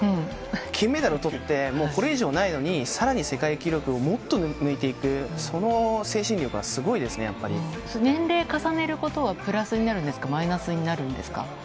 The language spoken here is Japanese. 金メダルをとって、もうこれ以上ないのに、さらに世界記録をもっと抜いていく、その精神力はすごいですね、年齢重ねることは、プラスになるんですか、マイナスになるんですか。